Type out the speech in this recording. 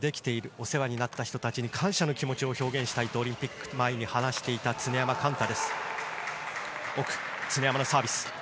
お世話になった人たちに感謝の気持ちを表現したいとオリンピック前に話していた常山幹太。